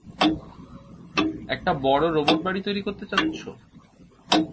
একটা বড় রোবট বাড়ি তৈরি করতে যাচ্ছ?